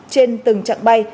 trên từng trạng bay